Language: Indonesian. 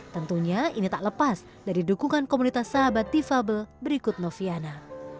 tentunya ini tak lepas dari dukungan komunitas sahabat difabel berikut noviana